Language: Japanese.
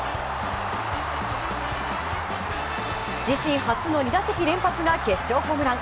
自身初の２打席連発が決勝ホームラン。